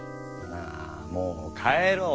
なあもう帰ろう。